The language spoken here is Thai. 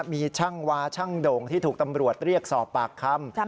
มีช่างวาช่างโด่งที่ถูกตำรวจเรียกสอบปากคำ